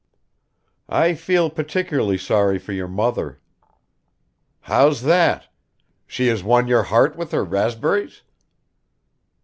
"I feel particularly sorry for your mother." "How's that? Has she won your heart with her raspberries?"